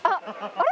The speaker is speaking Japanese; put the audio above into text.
あれ？